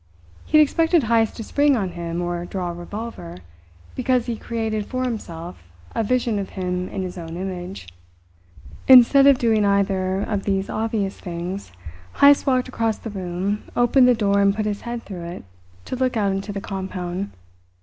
He had expected Heyst to spring on him or draw a revolver, because he created for himself a vision of him in his own image. Instead of doing either of these obvious things, Heyst walked across the room, opened the door and put his head through it to look out into the compound.